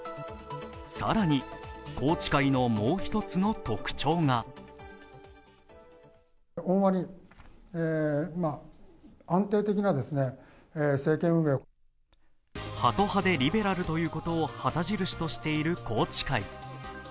更に宏池会のもう一つの特徴がハト派でリベラルということを旗印として宏池会。